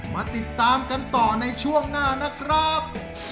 มาติดตามกันต่อในช่วงหน้านะครับ